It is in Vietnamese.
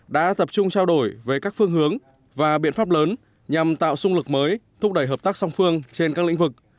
đã tập trung trao đổi về các phương hướng và biện pháp lớn nhằm tạo sung lực mới thúc đẩy hợp tác song phương trên các lĩnh vực